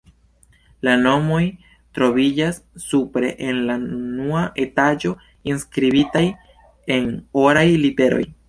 La nomoj troviĝas supre en la unua etaĝo, skribitaj en oraj literoj.